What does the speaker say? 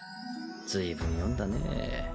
随分読んだねぇ。